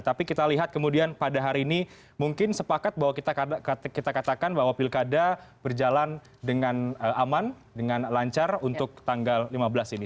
tapi kita lihat kemudian pada hari ini mungkin sepakat bahwa kita katakan bahwa pilkada berjalan dengan aman dengan lancar untuk tanggal lima belas ini